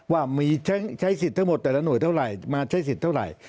ว่ามีใช้สิทธิ์ทั้งหมดแต่ละหน่วยเท่าไหร่มาใช้สิทธิ์เท่าไหร่